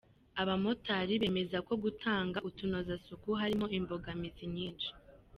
Abamotari bemeza ko gutanga utunozasuku harimo imbogamizi nyinshi